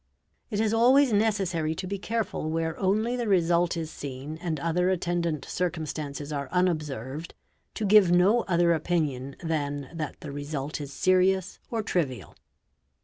It is always necessary to be careful, where only the result is seen and other attendant circumstances are unobserved, to give no other opinion than that the result is serious or trivial.